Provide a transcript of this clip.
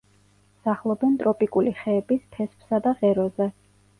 სახლობენ ტროპიკული ხეების ფესვსა და ღეროზე.